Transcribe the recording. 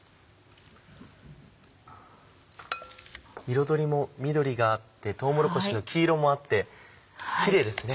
彩りも緑があってとうもろこしの黄色もあってキレイですね。